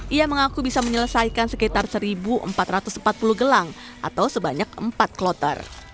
ia mengaku bisa menyelesaikan sekitar satu empat ratus empat puluh gelang atau sebanyak empat kloter